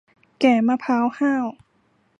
แก่มะพร้าวห้าว